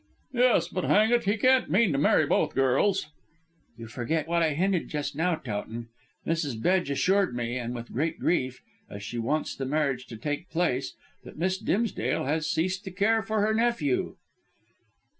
"Yes; but, hang it, he can't mean to marry both girls?" "You forget what I hinted just now, Towton. Mrs. Bedge assured me, and with great grief, as she wants the marriage to take place, that Miss Dimsdale has ceased to care for her nephew."